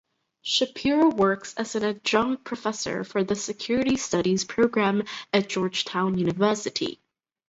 Shapiro works as an adjunct professor for the Security Studies Program at Georgetown University.